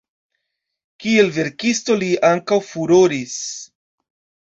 Kiel verkisto li ankaŭ furoris.